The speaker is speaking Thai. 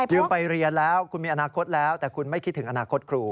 ไปเรียนแล้วคุณมีอนาคตแล้วแต่คุณไม่คิดถึงอนาคตครู